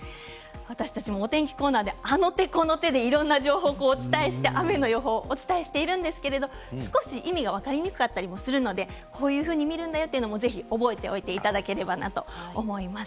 私たちもお天気コーナーであの手この手でいろんな情報、お伝えして雨の予報をお伝えしていますが少し意味が分かりにくかったりするのでこうやって見るんだよと、ぜひ覚えていただければなと思います。